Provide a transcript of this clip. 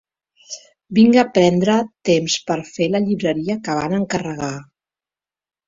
Vinc a prendre temps per fer la llibreria que van encarregar.